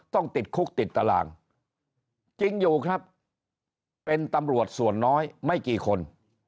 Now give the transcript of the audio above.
ต้องติดคุกติดตารางจริงอยู่ครับเป็นตำรวจส่วนน้อยไม่กี่คน